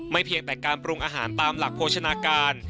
เพียงแต่การปรุงอาหารตามหลักโภชนาการ